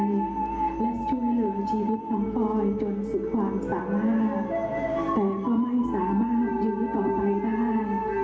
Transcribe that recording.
และช่วยเหลือชีวิตน้องปอยจนสุดความสามารถแต่ก็ไม่สามารถยื้อต่อไปได้